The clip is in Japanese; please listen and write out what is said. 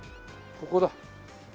ここだ。